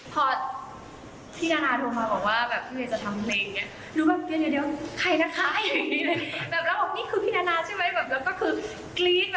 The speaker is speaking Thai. พี่นานะโทรมาว่าแบบพี่เวย์จะทำเพลงอย่างงี้